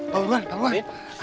pak buruhan pak buruhan